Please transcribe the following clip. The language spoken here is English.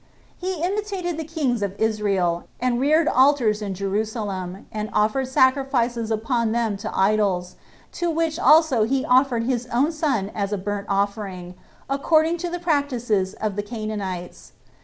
He imitated the kings of Israel, and reared altars in Jerusalem, and offered sacrifices upon them to idols; to which also he offered his own son as a burnt offering, according to the practices of the Canaanites.